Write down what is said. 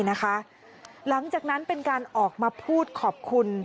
หลังจากนั้นเป็นการออกมาพูดขอบคุณ